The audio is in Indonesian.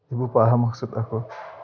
ibu paham maksud aku